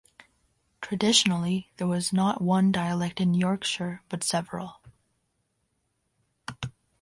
Traditionally, there was not one dialect in Yorkshire but several.